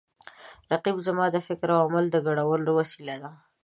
رقیب زما د فکر او عمل د ګډولو وسیله ده